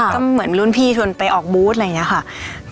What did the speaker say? ก็เหมือนรุ่นพี่ชวนไปออกบูธอะไรอย่างนี้ค่ะ